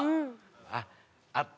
あっ！